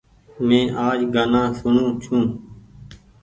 مين آج گآنآ سوڻو ڇون۔